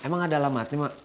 emang ada alamat nih mak